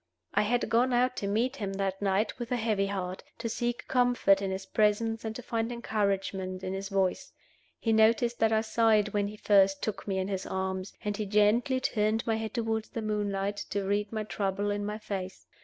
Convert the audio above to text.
I had gone out to meet him that night with a heavy heart, to seek comfort in his presence and to find encouragement in his voice. He noticed that I sighed when he first took me in his arms, and he gently turned my head toward the moonlight to read my trouble in my face.